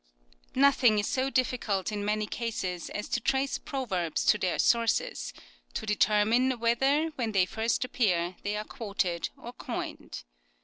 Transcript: Nothing is so difficult in many cases as to trace proverbs to their sources — ^to determine whether when they first appear they are quoted or coined.